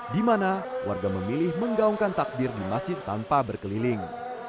di mana warga memilih menggaungkan takbir di masjid tanpa berkeliling